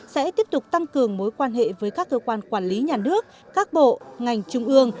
sẽ tiếp tục tăng cường mối quan hệ với các cơ quan quản lý nhà nước các bộ ngành trung ương